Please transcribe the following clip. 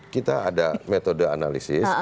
kita ada metode analisis